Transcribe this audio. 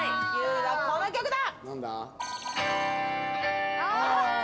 この曲だ！